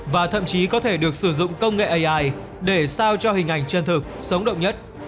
và thậm chí có thể được sử dụng công nghệ ai để sao cho hình ảnh chân thực sống động nhất